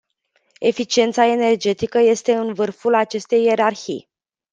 Eficiența energetică este în vârful acestei ierarhii.